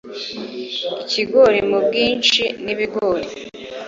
Ikigori m ubwinshi n Ibigori"